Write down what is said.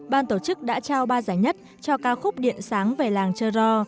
ban tổ chức đã trao ba giải nhất cho ca khúc điện sáng về làng chơ ro